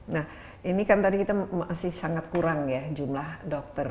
nah ini kan tadi kita masih sangat kurang ya jumlah dokter